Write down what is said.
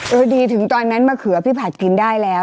ดีถึงตอนนั้นมะเขือพี่ผัดกินได้แล้ว